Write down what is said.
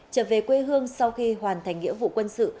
trở về quê hương sau khi hoàn thành nghĩa vụ quân sự